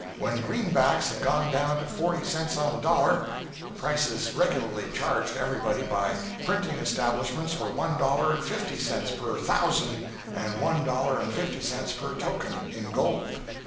When greenbacks had gone down to forty cents on the dollar, the prices regularly charged everybody by printing establishments were one dollar and fifty cents per "thousand" and one dollar and fifty cents per "token," in gold.